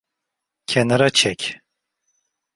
Kenara çek.